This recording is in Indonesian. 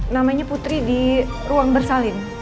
namanya putri di ruang bersalin